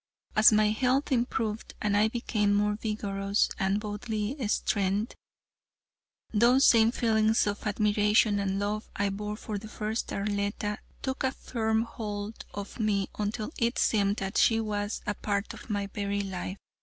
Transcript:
As my health improved, and I became more vigorous in bodily strength, those same feelings of admiration and love I bore for the first Arletta took a firm hold of me until it seemed that she was a part of my very life.